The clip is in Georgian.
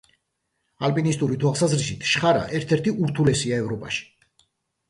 ალპინისტური თვალსაზრისით, შხარა ერთ-ერთი ურთულესია ევროპაში.